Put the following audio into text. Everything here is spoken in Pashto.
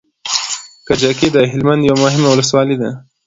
کجکی د هلمند يوه مهمه ولسوالي ده